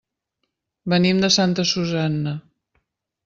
Venim de Santa Susanna.